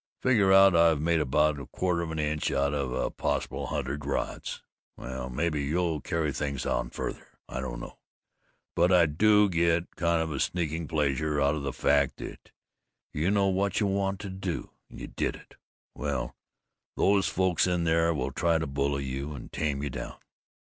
I figure out I've made about a quarter of an inch out of a possible hundred rods. Well, maybe you'll carry things on further. I don't know. But I do get a kind of sneaking pleasure out of the fact that you knew what you wanted to do and did it. Well, those folks in there will try to bully you, and tame you down.